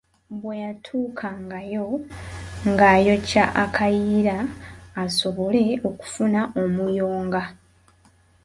Bwe yatuukangayo ng’ayokya akayiira asobole okufuna omuyonga.